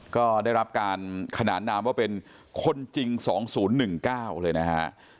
ก็ได้รับการขนานนามว่าเป็นคนจริง๒๐๑๙เลยนะฮะ